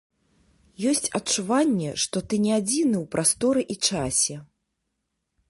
Ёсць адчуванне, што ты не адзіны ў прасторы і часе.